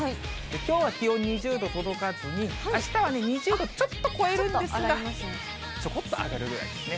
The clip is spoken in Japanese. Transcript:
きょうは気温２０度届かずに、あしたは２０度ちょっと超えるんですが、ちょこっと上がるぐらいですね。